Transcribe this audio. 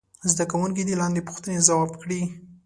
زده کوونکي دې لاندې پوښتنې ځواب کړي.